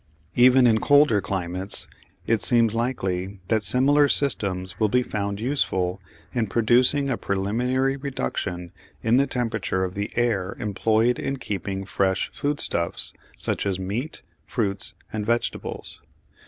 Even in colder climates it seems likely that similar systems will be found useful in producing a preliminary reduction in the temperature of the air employed in keeping fresh foodstuffs such as meat, fruits and vegetables.